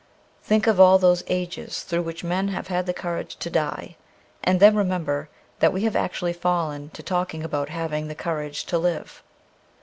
Think of all those ages through which men have had the courage to die, and then remember that we have actually fallen to talking about having the courage to live.